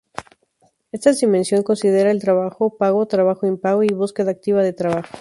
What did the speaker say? Estas dimensión considera el trabajo pago, trabajo impago y búsqueda activa de trabajo.